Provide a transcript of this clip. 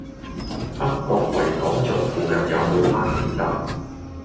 北角維港頌附近有無巴士站？